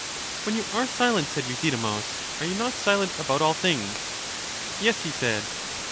When you are silent, said Euthydemus, are you not silent about all things? Yes, he said.